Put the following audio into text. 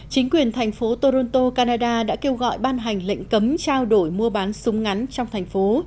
chính quyền thành phố toronto canada đã kêu gọi ban hành lệnh cấm trao đổi mua bán súng ngắn trong thành phố